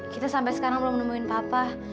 kita sampai sekarang belum nemuin papa